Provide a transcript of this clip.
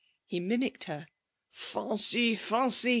He mimicked her. 'Farncy! Farncy!